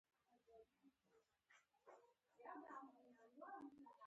مېوې ته سخت وهوسېدم .